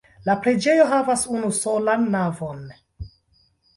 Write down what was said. La preĝejo havas unusolan navon.